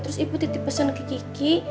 terus ibu titip pesen ke gigi